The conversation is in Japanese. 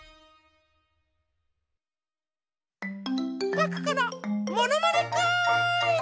パクコのものまねクーイズ！